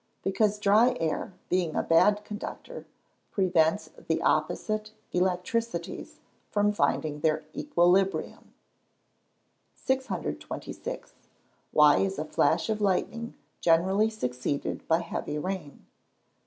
_ Because dry air, being a bad conductor, prevents the opposite electricities from finding their equilibrium. 626. _Why is a flash of lightning generally succeeded by heavy rain?